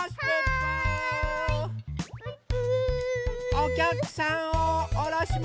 おきゃくさんをおろします！